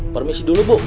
permisi dulu bu